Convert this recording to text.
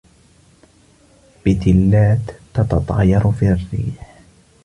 بتلاتٌ تتطاير في الريح.